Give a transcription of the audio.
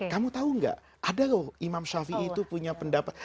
kamu tahu nggak ada loh imam shafi'i itu punya pendapat